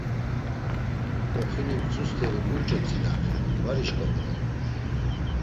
Oxini mtzu st̆eri muç̌o tzilare var işǩominen.